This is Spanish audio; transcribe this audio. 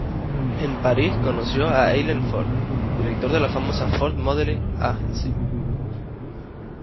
En París conoció a Eileen Ford, director de la famosa Ford Modeling Agency.